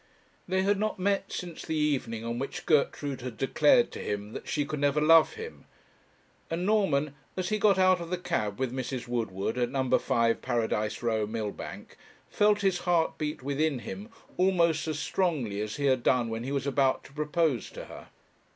They had not met since the evening on which Gertrude had declared to him that she never could love him; and Norman, as he got out of the cab with Mrs. Woodward, at No. 5, Paradise Row, Millbank, felt his heart beat within him almost as strongly as he had done when he was about to propose to her.